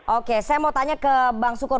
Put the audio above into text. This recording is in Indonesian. oke saya mau tanya ke bang sukur